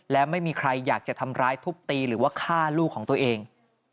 และไม่มีใครอยากจะทำร้ายทุบตีหรือว่าฆ่าลูกของตัวเอง